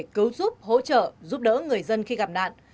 cứu giúp hỗ trợ giúp đỡ người dân khi gặp nạn